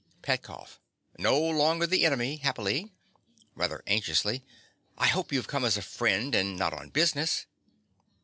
PETKOFF. No longer the enemy, happily. (Rather anxiously.) I hope you've come as a friend, and not on business.